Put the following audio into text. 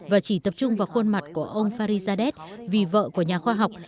và chỉ tập trung vào khuôn mặt của ông farizadeh vì vợ của nhà khoa học